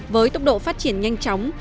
với tốc độ phát triển nhanh chóng